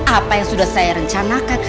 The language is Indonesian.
apa yang sudah saya rencanakan